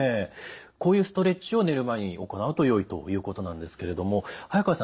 こういうストレッチを寝る前に行うとよいということなんですけれども早川さん